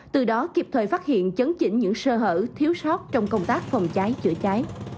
từ đó kịp thời phát hiện chấn chỉnh những sơ hở thiếu sót trong công tác phòng cháy chữa cháy